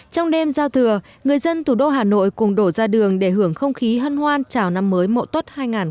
trong đêm giao thừa người dân thủ đô hà nội cùng đổ ra đường để hưởng không khí hân hoan chào năm mới mộ tốt hai nghìn hai mươi